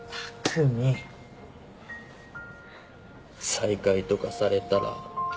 再会とかされたら。